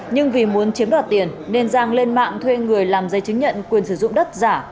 nhưng vì muốn chiếm đoạt tiền nên giang lên mạng thuê người làm giấy chứng nhận quyền sử dụng đất giả